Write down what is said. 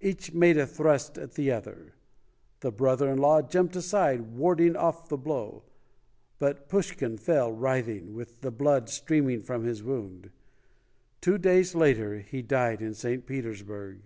Each made a thrust at the other. The brother in law jumped ALEXANDER SERGYEYEVICH PUSHKIN [111 aside, warding off the blow, but Pushkin fell writhing, with the blood streaming from his wound. Two days later he died in St. Petersburg.